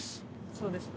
そうですね。